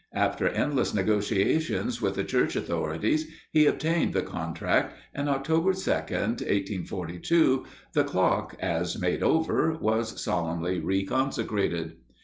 After endless negotiations with the church authorities, he obtained the contract, and on October 2, 1842, the clock, as made over, was solemnly reconsecrated.